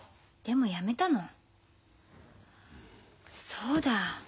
そうだ。